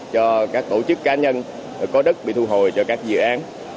cho các tổ chức cá nhân có đất bị thu hồi cho các dự án